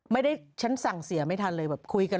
ไม่ได้ฉันสั่งเสียไม่ทันเลย